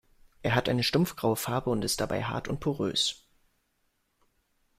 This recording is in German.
Er hat eine stumpf-graue Farbe und ist dabei hart und porös.